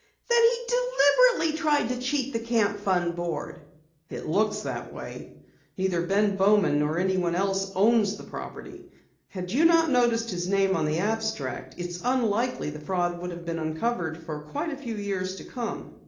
"Then he deliberately tried to cheat the Camp Fund board!" "It looks that way. Neither Ben Bowman nor anyone else owns the property. Had you not noticed his name on the abstract, it's unlikely the fraud would have been uncovered for quite a few years to come."